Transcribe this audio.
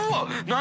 何？